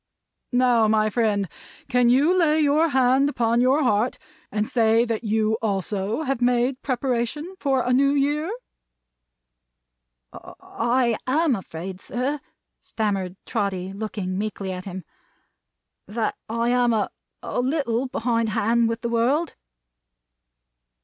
Now, my friend, can you lay your hand upon your heart, and say that you also have made preparation for a New Year?" "I am afraid, sir," stammered Trotty, looking meekly at him, "that I am a a little behind hand with the world."